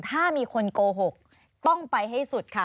ถ้ามีคนโกหกต้องไปให้สุดค่ะ